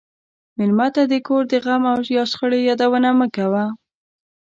مېلمه ته د کور د غم یا شخړې یادونه مه کوه.